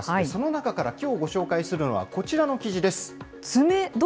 その中からきょうご紹介するのは、こちらの記事です。